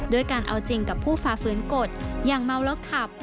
ด้วยการเอาจริงกับผู้ฝ่าฝืนกฎอย่างเมาแล้วขับ